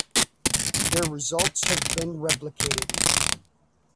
Their results have been replicated.